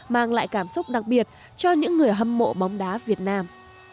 mang lại cảm xúc đặc biệt cho những người hâm mộ bóng đá việt nam